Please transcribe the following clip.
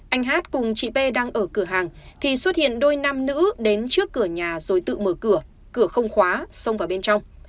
anh h cùng chị t t b đang ở cửa hàng thì xuất hiện đôi nam nữ đến trước cửa nhà rồi tự mở cửa cửa không khóa xông vào bên trong